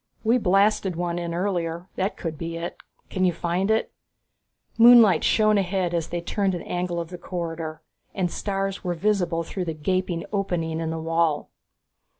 "We blasted one in earlier that could be it. Can you find it?" Moonlight shone ahead as they turned an angle of the corridor, and stars were visible through the gaping opening in the wall.